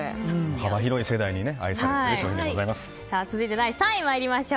幅広い世代に愛されている商品でございます。